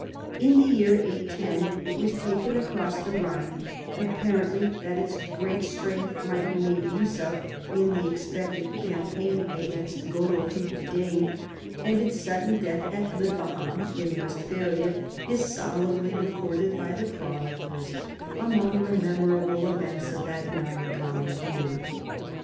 In the year 810 it was taken across the Rhine, apparently that its great strength miglit be made use of in the expected campaign against Godo frid the Dane ; and its sudden death at Lippeham in Westphalia is solemnly recorded by the chroniclers among the memorable events of that melancholy year.